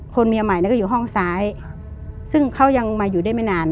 เมียใหม่เนี่ยก็อยู่ห้องซ้ายซึ่งเขายังมาอยู่ได้ไม่นาน